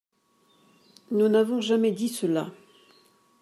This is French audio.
Nous n’avons jamais dit cela